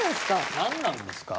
何なんすか？